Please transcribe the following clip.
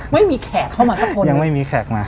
ไม่มีแขกเข้ามาสักคนเลยยังไม่มีแขกมา